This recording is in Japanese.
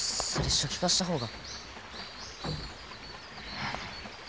初期化したほうが。